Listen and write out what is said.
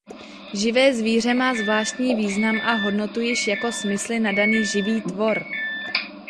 Živé zvíře má zvláštní význam a hodnotu již jako smysly nadaný živý tvor.